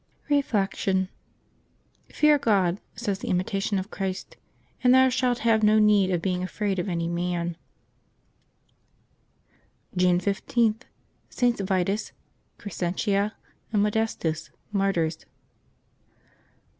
Reflection. —^^ Fear God," says the Imitation of Christ, " and thou shalt have no need of being afraid of anj June 15.— STS. VITUS, CRESCENTIA, and MO DESTUS, Martyrs.